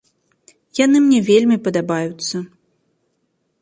Яны мне вельмі падабаюцца.